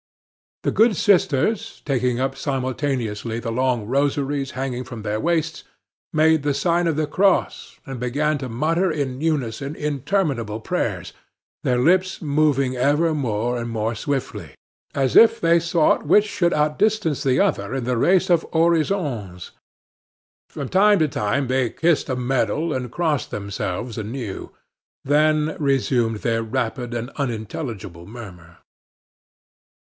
The good sisters, taking up simultaneously the long rosaries hanging from their waists, made the sign of the cross, and began to mutter in unison interminable prayers, their lips moving ever more and more swiftly, as if they sought which should outdistance the other in the race of orisons; from time to time they kissed a medal, and crossed themselves anew, then resumed their rapid and unintelligible murmur.